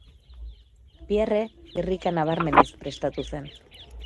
Pierre irrika nabarmenez presatu zen.